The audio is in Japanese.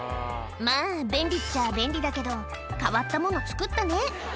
まあ、便利っちゃ便利だけど、変わったもの作ったね。